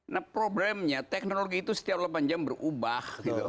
nah problemnya teknologi itu setiap delapan jam berubah